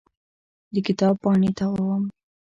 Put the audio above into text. د کتاب پاڼې تاووم.